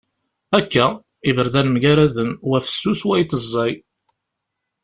Akka! Iberdan mgaraden. Wa fessus wayeḍ ẓẓay.